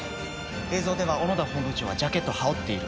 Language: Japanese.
映像では小野田本部長はジャケットを羽織っている。